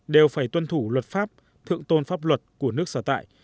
đều phải tuân thủ luật pháp thượng tôn pháp luật của nước sở tại